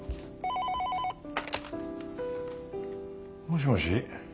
☎もしもし。